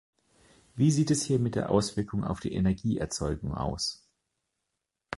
Wie sieht es hier mit der Auswirkung auf die Energieerzeugung aus?